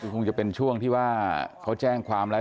คงจะเป็นช่วงที่ว่าเขาแจ้งความแล้ว